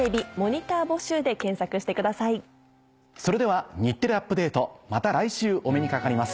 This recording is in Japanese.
それでは『日テレアップＤａｔｅ！』また来週お目にかかります。